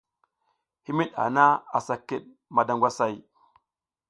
Himid hana asa kid mada ngwasay.